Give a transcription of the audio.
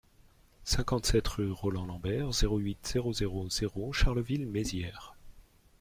cinquante-sept rue Roland Lambert, zéro huit, zéro zéro zéro Charleville-Mézières